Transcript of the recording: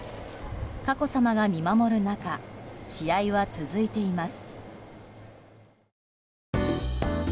佳子さまが見守る中試合は続いています。